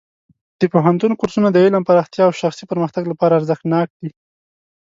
د پوهنتون کورسونه د علم پراختیا او شخصي پرمختګ لپاره ارزښتناک دي.